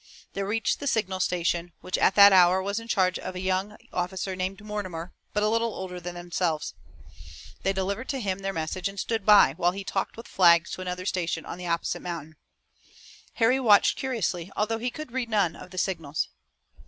They reached the signal station, which at that hour was in charge of a young officer named Mortimer, but little older than themselves. They delivered to him their message and stood by, while he talked with flags to another station on the opposite mountain. Harry watched curiously although he could read none of the signals.